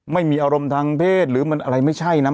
ไม่มีอารมณ์ทางเพศหรือมันอะไรไม่ใช่นะ